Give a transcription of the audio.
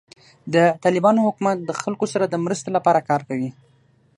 د طالبانو حکومت د خلکو سره د مرستې لپاره کار کوي.